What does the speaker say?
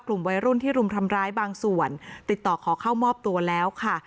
กลุ่มวัยรุ่นที่รุมทำร้ายบางส่วนติดต่อขอเข้ามอบตัวแล้วค่ะ